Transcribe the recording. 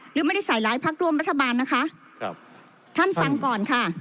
หรือไม่ได้ใส่ร้ายพักร่วมรัฐบาลนะคะครับท่านฟังก่อนค่ะ